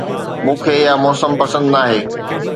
مون کي اها موسم پسند ناهي